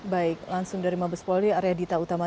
baik langsung dari mabes polri arya dita utama